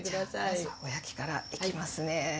じゃあまずはお焼きからいきますね。